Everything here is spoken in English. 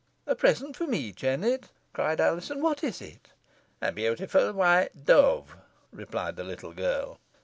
"A present for me, Jennet," cried Alizon; "what is it?" "A beautiful white dove," replied the little girl.